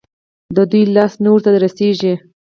د دوى لاس نه ورته رسېږي.